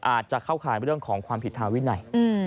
อาจจะเข้าข่ายเรื่องของความผิดทางวินัย